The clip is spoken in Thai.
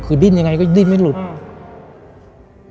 คือดิ้นยังไงก็ดิ้นไม่หลุดอืม